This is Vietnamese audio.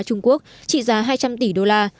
trung quốc trị giá hai trăm linh tỷ đô la